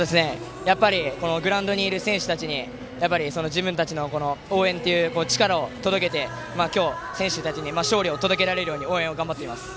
グラウンドにいる選手たちに自分たちの応援の力を届けて、選手たちに今日勝利を届けられるように応援を頑張っています。